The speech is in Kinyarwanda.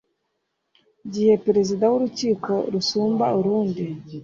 gihe perezida w urukiko rusumba urundi